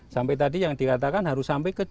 sampai tadi yang dikatakan harus sampai ke